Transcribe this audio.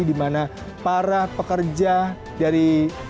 di mana para pekerja dari